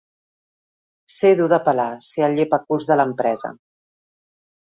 Ser dur de pelar ser el llepaculs de l'empresa.